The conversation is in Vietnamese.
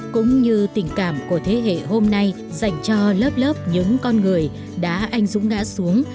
cũng như tình cảm của thế hệ hôm nay dành cho lớp lớp những con người đã anh dũng ngã xuống